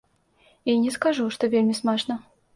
І не скажу, што вельмі смачна.